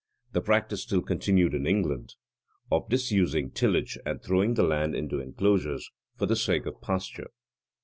The practice still continued in England of disusing tillage and throwing the land into enclosures, for the sake of pasture.